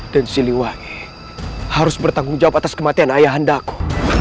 dan siliwangi harus bertanggung jawab atas kematian ayah hendaku